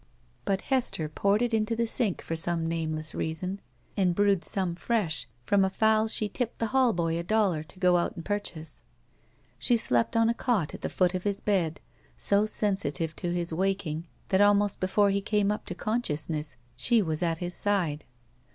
But Hester i)oured it into the sink for some name less reason, and brewed some fresh from a fowl she tipped the hallboy a dollar to go out and purchase. She slept on a cot at the foot of his bed, so sensi tive to his waking that almost before he came up to consciousness she was at his side.